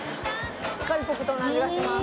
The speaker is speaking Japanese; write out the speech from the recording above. しっかり黒糖の味がします。